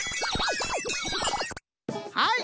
はい！